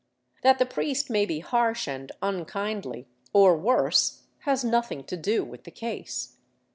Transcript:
That the priest may be harsh and unkindly, or worse, has nothing to do with the case.